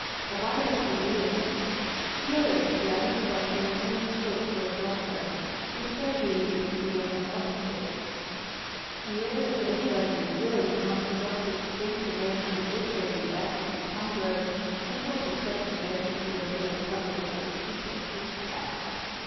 "A wider career. Here at Bialystok there is no scope for a doctor, especially if he be a homœopathist. Here, if anybody is ill he wants the doctor to drink the medicine with him in whacking tumblers, and won't accept a recipe unless it covers a whole sheet of foolscap.